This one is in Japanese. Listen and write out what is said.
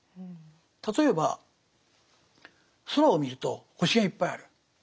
例えば空を見ると星がいっぱいある。